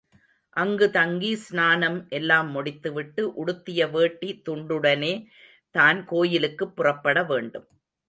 அங்கு தங்கி, ஸ்நானம் எல்லாம் முடித்து விட்டு, உடுத்திய வேட்டி துண்டுடனே தான் கோயிலுக்கு புறப்பட வேணும்.